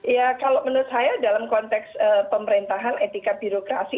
ya kalau menurut saya dalam konteks pemerintahan etika birokrasi